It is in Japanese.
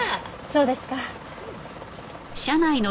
そうですか。